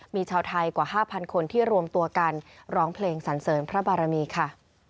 มีชาวไทยกว่า๕๐๐คนที่รวมตัวกันร้องเพลงสันเสริญพระบารมีค่ะ